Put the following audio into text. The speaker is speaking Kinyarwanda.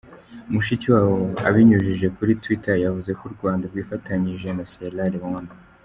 Mushikiwabo, abinyujije kuri Twitter yavuze ko u Rwanda rwifatanyije na Sierra Leone.